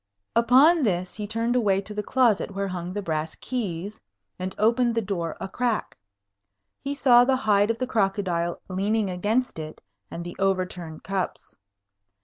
Upon this, he turned away to the closet where hung the brass keys, and opened the door a crack. He saw the hide of the crocodile leaning against it, and the overturned cups.